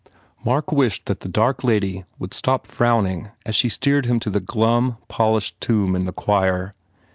Mark wished that the dark lady would stop frowning as she steered him to the glum, polished tomb in the choir.